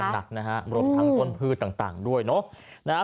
มันหนักนะครับรวมทั้งต้นพืชต่างด้วยเนอะ